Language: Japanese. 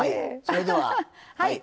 それでははい。